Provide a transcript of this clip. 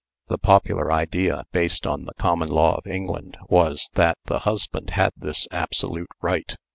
The popular idea "based on the common law of England," was, that the husband had this absolute right.